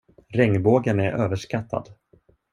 Regnbågen är överskattad.